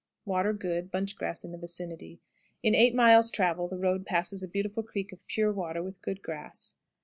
Water good; bunch grass in the vicinity. In eight miles' travel the road passes a beautiful creek of pure water, with good grass.